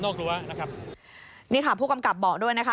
กรั้วนะครับนี่ค่ะผู้กำกับบอกด้วยนะคะ